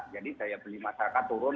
jadi saya beli masyarakat turun